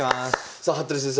さあ服部先生